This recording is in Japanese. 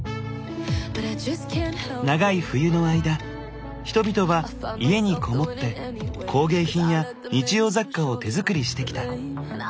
長い冬の間人々は家に籠もって工芸品や日用雑貨を手作りしてきた。